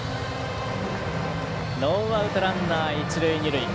ノーアウトランナー、一塁、二塁。